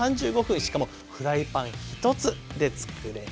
しかもフライパン１つでつくれます。